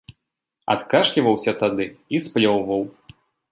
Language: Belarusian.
Адкашліваўся тады і сплёўваў.